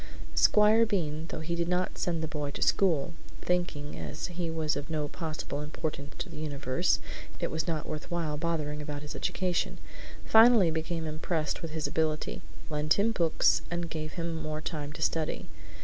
Squire Bean, although he did not send the boy to school (thinking, as he was of no possible importance in the universe, it was not worth while bothering about his education), finally became impressed with his ability, lent him books, and gave him more time to study.